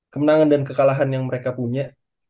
kemenangan dan kekalahan yang mereka punya